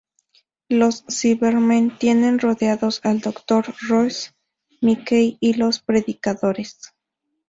Los Cybermen tienen rodeados al Doctor, Rose, Mickey y los Predicadores.